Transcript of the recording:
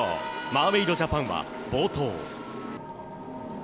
マーメイドジャパンは冒頭。